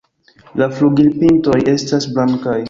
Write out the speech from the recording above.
La flugilpintoj estas blankaj.